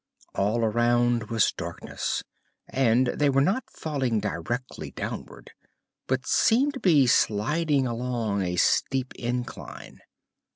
All around was darkness, and they were not falling directly downward but seemed to be sliding along a steep incline.